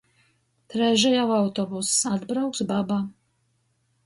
Dreiži jau autobuss, atbrauks baba.